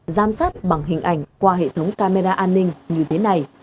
giám sát bằng hình ảnh qua hệ thống camera an ninh như thế này